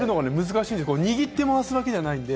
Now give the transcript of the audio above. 握って回すだけじゃないんで。